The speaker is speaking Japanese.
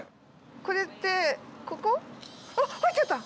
これってここ？